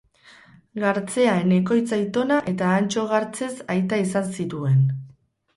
Gartzea Enekoitz aitona eta Antso Gartzez aita izan zituen.